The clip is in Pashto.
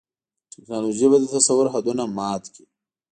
ټیکنالوژي به د تصور حدونه مات کړي.